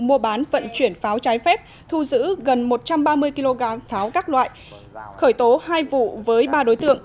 mua bán vận chuyển pháo trái phép thu giữ gần một trăm ba mươi kg pháo các loại khởi tố hai vụ với ba đối tượng